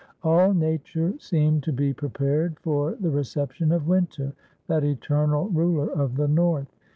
All nature seemed to be prepared for the reception of winter that eternal ruler of the North.